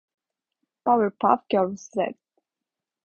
Powerpuff Girls Z.